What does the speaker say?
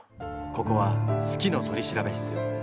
ここは「好きの取調室」。